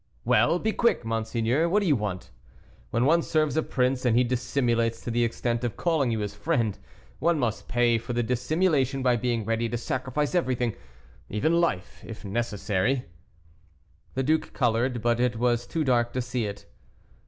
"Well, be quick, monseigneur, what do you want? When one serves a prince, and he dissimulates to the extent of calling you his friend, one must pay for the dissimulation by being ready to sacrifice everything, even life, if necessary." The duke colored, but it was too dark to see it.